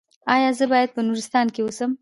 ایا زه باید په نورستان کې اوسم؟